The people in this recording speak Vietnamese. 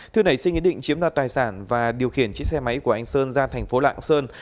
thưa nảy sinh ý định chiếm đoạt tài sản và điều khiển chiếc xe máy của anh sơn ra thành phố lạng sơn